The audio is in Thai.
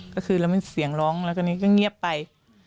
ก็คือเรามีเสียงร้องแล้วก็ก็งีบไป